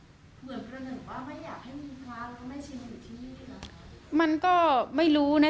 ไม่อยากให้มีพระหรือว่าแม่ชีมาอยู่ที่นี่หรือเปล่ามันก็ไม่รู้น่ะ